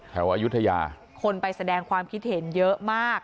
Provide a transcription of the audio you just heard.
อายุทยาคนไปแสดงความคิดเห็นเยอะมาก